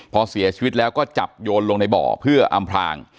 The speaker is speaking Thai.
พอเสียชีวิตแล้วก็จับโยนลงในบ่อเพื่ออำพลาง